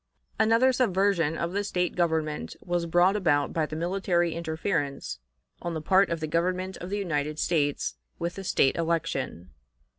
Another subversion of the State government was brought about by the military interference on the part of the Government of the United States with the State election.